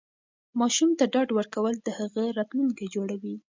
ماشوم ته ډاډ ورکول د هغه راتلونکی جوړوي.